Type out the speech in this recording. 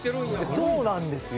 そうなんですよ。